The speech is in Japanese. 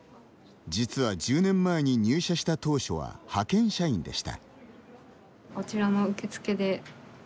実は１０年前に入社した当初は派遣社員でした。